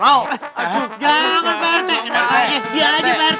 jangan pak rt jangan aja pak rt